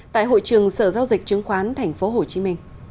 tại hội trường sở giao dịch chứng khoán tp hcm